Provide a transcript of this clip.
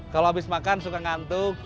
kalau habis makan suka ngantuk